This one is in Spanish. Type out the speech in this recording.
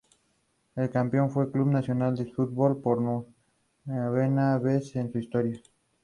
El campeón fue el Club Nacional de Football por novena vez en su historia.